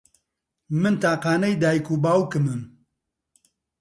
من تاقانەی دایک و باوکمم.